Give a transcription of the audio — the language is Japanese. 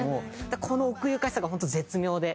だからこの奥ゆかしさが本当絶妙で。